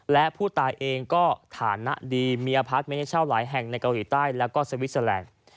และผู้ตายเองก็ฐานะดีเมียพักแม่เช่าหลายแห่งในเกาหลีใต้และสวิตซาแลนด์